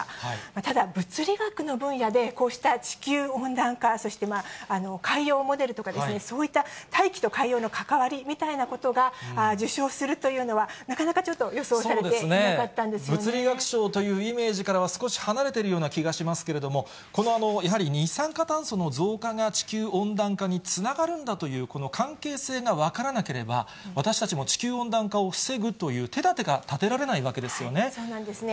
ただ、物理学の分野で、こうした地球温暖化、そして海洋モデルとか、そういった大気と海洋の関わりみたいなことが受賞するというのは、なかなかちょっと、予想されていなかっ物理学賞というイメージからは少し離れているような気がしますけれども、このやはり二酸化炭素の増加が地球温暖化につながるんだという、この関係性が分からなければ、私たちも地球温暖化を防ぐという手だてが立てられないわけですよそうなんですね。